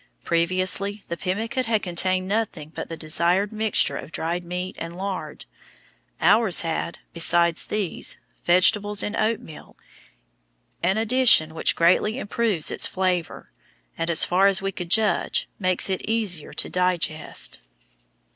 Previously the pemmican had contained nothing but the desired mixture of dried meat and lard; ours had, besides these, vegetables and oatmeal, an addition which greatly improves its flavour, and, as far as we could judge, makes it easier to digest.